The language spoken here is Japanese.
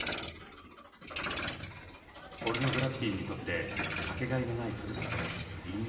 ポルノグラフィティにとってかけがえのないふるさと因島。